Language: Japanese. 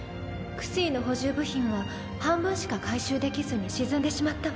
Ξの補充部品は半分しか回収できずに沈んでしまったわ。